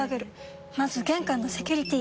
まず玄関のセキュリティ！